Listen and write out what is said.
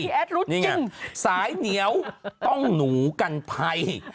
พี่แอดรู้จริงนี่ไงสายเหนียวต้องหนูกันไพย